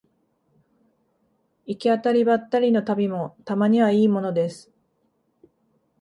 行き当たりばったりの旅もたまにはいいものです